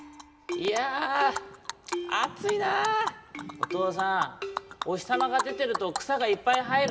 「おとうさんおひさまがでてるとくさがいっぱいはえるね」。